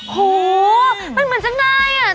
โหมันเหมือนจะง่ายอ่ะ